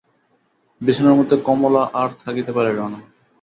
বিছানার মধ্যে কমলা আর থাকিতে পারিল না।